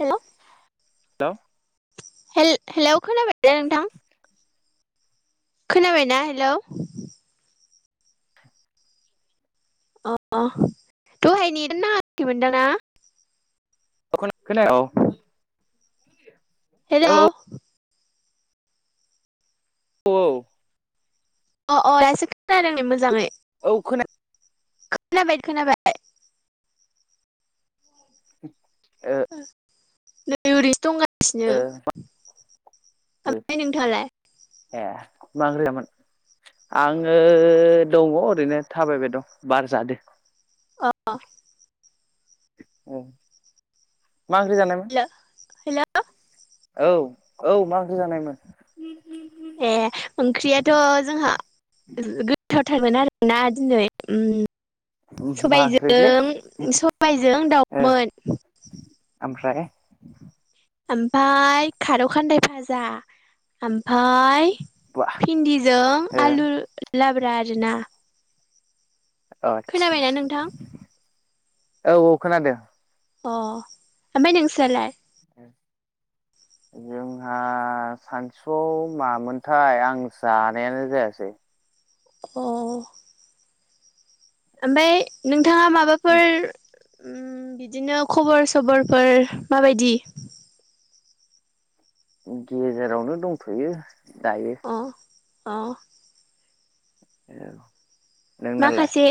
Hello hello हे hello खोनाबायना नोंथां? खोनाबायना हेलौ अ दहाय नेदानो नांयाखैमोन दांना? ख खोन आ [unintelligible] हेलौ औ अ अ दासो खोनादों नै मोजाङै । अ खोनाया खोनाबाय खोनाबाय औ नै ओरैनोसो दंगा सिनो ओ ओमफ्राय नोंथाङालाय? एह मा ओंख्रि जाया मोन? आङो दङ ओरैनो थाबायबाय दं बार जादो । अ मा ओंख्रि जानाय मोन? हेलौ औ औ मा ओंख्रि जानायमोन? ए ओंख्रियाथ' जोंहा गोथावथारमोन आरोना दिनै ओम मा ओंख्रिलै सबायजों सबायजों ओ दाउमोन । ओमफ्राय ओमफफ्राय खारौ खान्दाय फाजा ओमफाय बा भिन्दिजों ओ आलु लाब्रा आरोना । आदसा औ औ खोनादों । अ ओमफ्राय नोंस्रालाय? जों आंहा सानसुआव मामोनथाय आं जानायानो जायासै अ ओमफ्राय नोंथाङा माबाफोर ओम बिदिनो खबर सबरफोर माबायदि? गेजेरावनो दंथ'यो दायो । अ अ औ नोंनालाय माखासे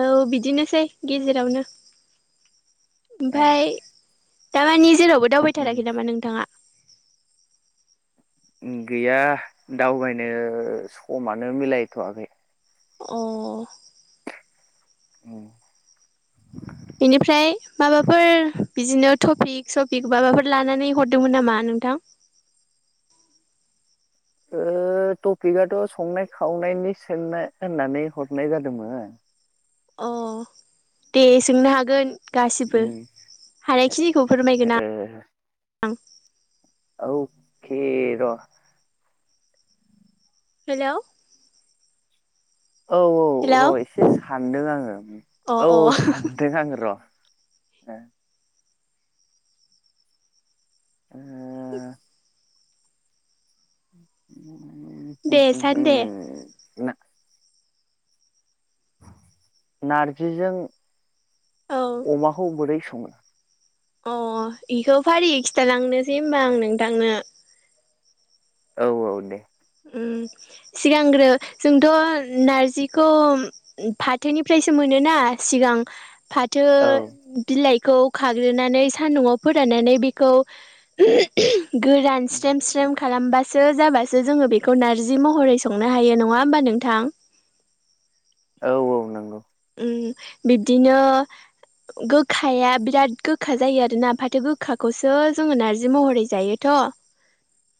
औ बिदिनोसै गेजेरावनो । ए ओमफफ्राय दारमानि जेरावबो उम दावबायथाराखै नामा नोंथाङा? गैया दावबायनो समानो मिलायथ'वाखै । अ ओम बेनिफ्राय माबाफोर बिदिनो टपिक सपिक माबाफोर लानानै हरदोंमोन नामा नोंथां? [inaudible] ओ ओ टपिकआथ' संनाय खावनायनि सोंनाय होननानै हरनाय जादोंमोन अ दे सोंनो हागोन गासिबो उम हानायखिनिखौ फोरमायगोन आं अख र' [unintelligible] हेल' औ औ र' एसे सानदों आङो अ अ औ सानदों आङो र' ए [unintelligible] [inaudible] [inaudible] दे सान दे उम नारजिजों औ अमाखौ बोरै सङो? अ बेखौ फारियै खिथालांनोसै होमबा आं नोंथांनो औ औ दे ओ सिगांग्रो जोंथ' नारजिखौ फाथोनिफ्रायसो मोनो ना सिगां फाथो औ बिलाइखौ खाग्रोनानै सान्दुंआव फोराननानै बेखौ गोरान स्रेम स्रेम खालामबासो जाबासो जोङो बेखौ नारजि महरै संनो हायो नङा होमबा नोंथां औ औ नंगौ ओ बिब्दिनो गोखाया बिराद गोखा जायो आरोना फाथो गोखाखौसो जोङो नार्जि महरै जायोथ' [inaudible]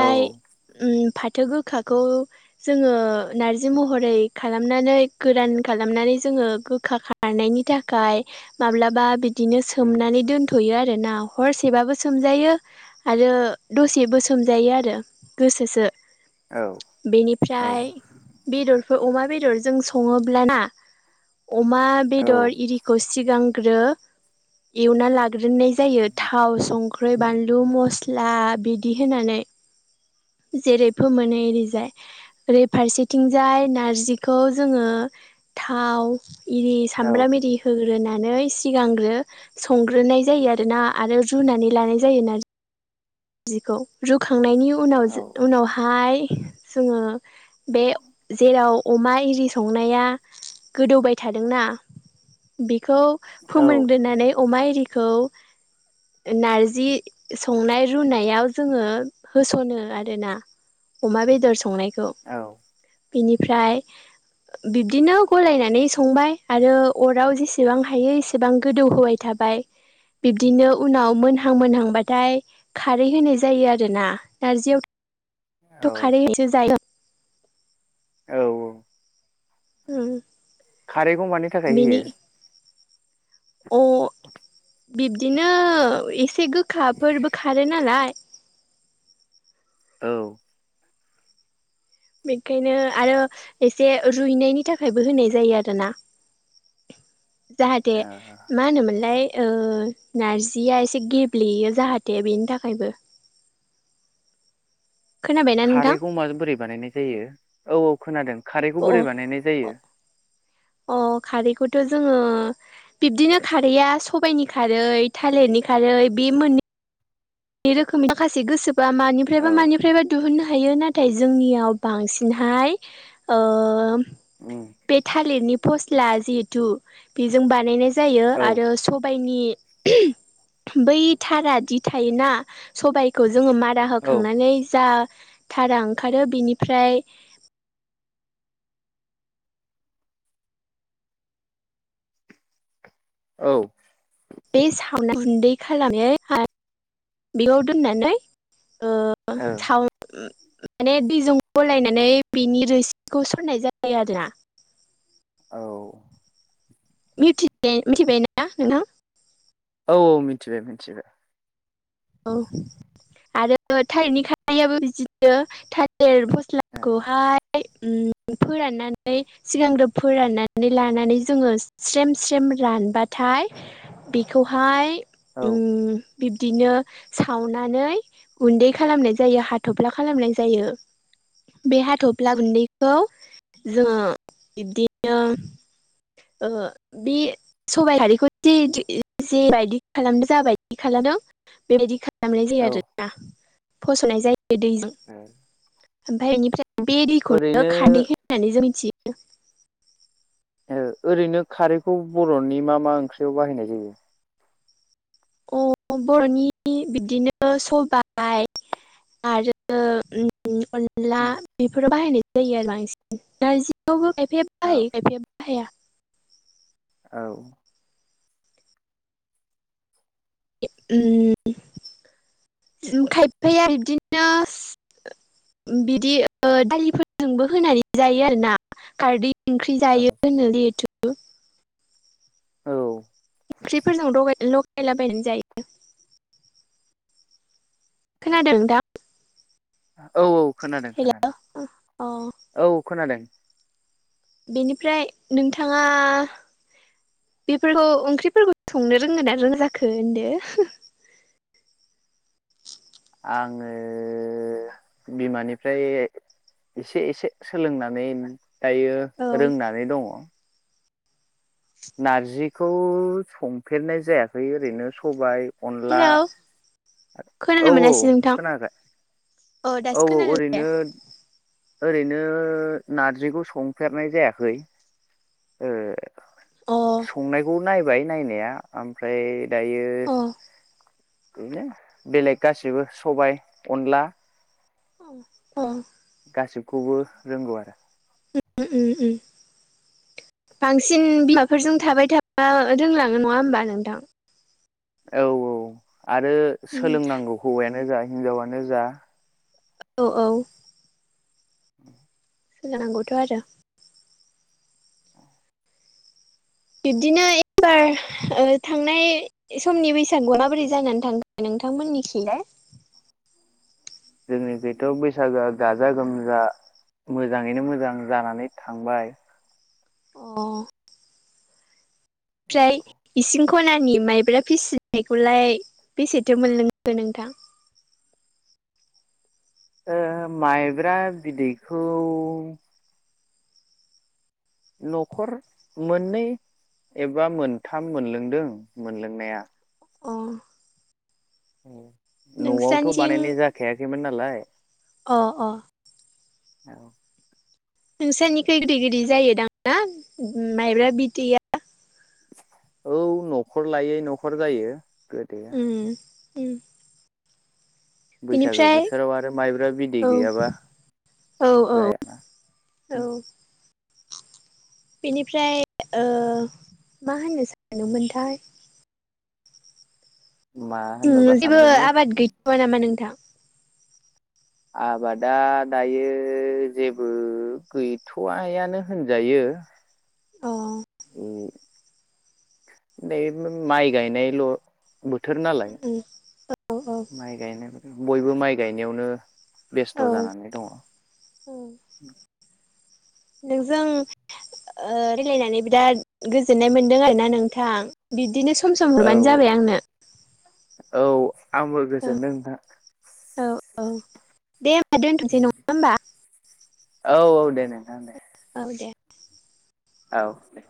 औ ओम फा फाथो गोखाखौ जोङो नारजि महरै खालामनानै गोरान खालामनानै जोङो गोखा खारनायनि थाखाय माब्लाबा बि बिदिनो उम सोमनानै दोनथ'यो आरो आरोना हरसेबाबो सोमजायो आरो दसेबो सोमजायो आरो गोसोसो औ औ बेनिफ्राय बेदरफोर अमा बेदरजों सङो लाना अमा बेदर औ इरखौ सिगां एवना लाग्रोननाय जायो थाव सं संख्र्रि बानलु मस्ला बिदि होनानै जेरै फोमोनो एरिजाय ओरै फारसेथिंजाय नारजिखौ जोङो थाव इरि औ सामब्राम इरि होगो ग्रोनानै सिगांग्रो संग्रोनाय जायो आरोना रुनानै लानाय जायो नार जिखौ रुखांनायनि उनाव औ उनावहाय जोङो बे जेराव अमा इरि संनाया गोदौबाय थादोंना बिखौ औ फोमोनग्रोनानै अमा एरिखौ नारजि संनाय रुनायाव जोङो होसनो आरोना अमा बेदर संनाय ज औ बिनिफ्राय बिब्दिनो गलायनानै संबाय आरो अराव जेसेबां हायो एसेबां गोदौ होबाय थाबाय बिब्दिनो उनाव मोनहां मोनहांबाथाय खारै होनाय जायो आरोना नारजियावथ' खारैसो जायो औ औ [unintelligible] खारैखौ मानि थाखाय होयो? बेनि अ औ बिब्दिनो एसे गोखाफोरबो खारो नालाय। औ बेखायनो आरो एसे रुइनायनि थाखायबो होनाय जायो आरोना। [inaudible] जाहाथे ओ मा होनोमोनलाय नारजिया एसे गेब्लेयो जाहाथे बेनि थाखायबो खोनाबायना नोंथां खारैखौ माजों बोरै बानायनाय जायो औ औ खोनादों खारैखौ अ बोरै बानायनाय अ जायो? अ खारैखौथ' जोङो बिबदिनो खारैआ सबायाइनि खारै थालिरनि बे मोननै रोखोमनि माखासे गोसोबा मानिफ्रायबा औ मानिफ्रायबा दिहुननो हायो नाथाय जोंनियाव बांसिनहाय उम बे थालिरनि फस्ला जिहेथु बेजों बानायनाय जायो। औ आरो सबाइनि बै थारा दि थायोना सबायखौ जोङो मारा औ होखांनानै जा थारा ओंखारो बिनिफ्राय औ बे सावना गुन्दै खालामनाय बेयाव दोननानै ओ औ थाउन माने दैजों गलायनानै बिनि रोसिखौ सरनाय जायो आरोना औ मिथिबायना नोंथां औ औ मिथिबाय मिथिबाय औ आरो थारैनो खारैआबो बिदिनो थालेर फस्लाखौहाय फोराननानै सिगांग्रो फोराननानै लानानै जोङो स्रेम स्रेम रानब्लाथाय बेखौहाय ओ बिब्दिनो सावनानै गुन्दै खालामनाय जायो हाथ'फ्ला खालामनाय जायो। बे हाथ'फ्ला गुन्दैखौ जोङो बिब्दिनो बे सबाइ खारिखौ जेबादि खालामदों जाबायदि खालामदों बेबायदि खालामनाय जायो औ आरोना फसरनाय जायो। बे दैजों ओ ओमफ्राय बेनिफ्राय बे दैखौनो ओरैनो खारदै होननानै जों मिथियो। द [inaudible] ओरैनो खारैखौ बर'नि मा मा ओंख्रियाव बाहायनाय जायो? अ बर'नि बिदिनो सबाइ आरो अनला बेफोराव बाहायनाय जायो आरो बांसिन नारजियावबो खायफाया औ बाहायो खायफाया बाहाया औ उम खायफाया आरो बिदिनो बिदि दालिफोरजोंबो होनानै जायो आरो ना खारदै ओंख्रि औ जायो होन लैहेथु औ ओंख्रिफोरजों लगायलाबायनानै जायो। खोनादों दा औ औ खोनादों खोनादों अ औ खोनादों। बेनिफ्राय नोंथाङा बेफोरखौ ओंख्रिफोरखौ संनो रोंङोन ना रोंजाखो होनदो। [inaudible] आङो बिमानिफ्राय एसे एसे सोलोंनानै दायो औ रोंनानै दङ' । नारजिखौ संफेरनाय जायाखै ओरैनो सबाय अनला हेलौ खोनानो औ औ मोनासै नोंथां खोनायाखै अ औ दासो औ खोनादों दे ओरैनो ओरैनो नारजिखौ संफेरनाय जायाखै ओ अ संनायखौ नायबाय नायनाया ओमफ्राय दायो अ बिदिनो बेलेग गासिबो सबाय अनला अ अ गासिबखौबो रोंगौ आरो उम उम बांसिन बिमाफोरजों थाबाय थाबा रोंलाङो नङा होमबा नोंथां औ औ आरो उम सोलोंनांगौ हौवायानो जा हिनजावानो जा औ औ उ सोलानांगौथ' आरो बिबदिनो एबार ओ- थांनाय समनि बैसागुआव माबोरै जानानै थांगोन नों नोंथांमोननिखिलाय औ जोंनि बेथ' बैसागोआ गाजा गोमजा मोजाङैनो मोजां जानानै थांबाय । अ ओमफ्राय इसिं खनानि माइब्रा फिसिनायखौलाय बेसेथो मोनलोंखो नोंथां ओ- माइब्रा बिदैखौ न'खर मोननै एबा मोनथाम मोनलोंदों मोनलोंनाया अ अ न'आवथ' नोंस्रानिथिं बानायनाय जाखायाखैमोन नालाय अ औ नोंसोरनिखै गोदै गदै जायोदां ना माइब्रा बिदैया औ न'खर लायै न'खर जायो गोदो । उम उम बैसागो बेनिफ्राय बोथोराव आरो माइब्रा बिदै औ गैयाबा औ औ जायाना उम औ बेनिफ्राय ओ- मा होनो स सानोमोनथाय मा होननोबा ओ- जेबो सानदोंमोन आबाद गैथ'वा नामा नोंथां आबादा दायो जेबो गैथ'या आयानो होनजायो द अ नै माइ गायनायल' बोथोर नालाय औ औ माइ गायनाय बयबो माइ गायनायावनो औ बेस्थ' जानानै दङ' औ । नोंजों ओ- रायलायनानै बिराद गोजोननाय मोन्दों आरोना नोंथां बिदिनो स सम सम औ हरबानो जाबाय आंनो औ आंबो औ गोजोनदों नोंथां औ औ। दे होमबा दोनथ'नोसै नङा होमबा औ औ दे नोंथां दे। औ दे। औ दे।